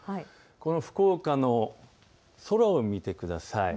福岡の空を見てください。